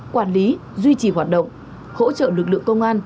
quản lý duy trì hoạt động hỗ trợ lực lượng công an